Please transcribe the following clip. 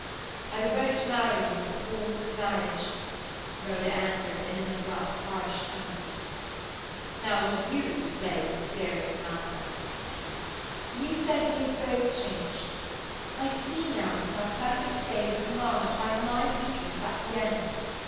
"I won't marry you with the forms of marriage," Rhoda answered in an abrupt, harsh tone. "Now it is you who play with a serious matter." "You said we had both changed. I see now that our "perfect day" was marred by my weakness at the end.